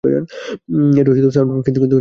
এটা সাউন্ডপ্রুফ, কিন্তু বুলেটপ্রুফ তো না।